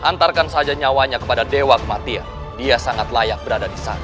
antarkan saja nyawanya kepada dewa kematian dia sangat layak berada di sana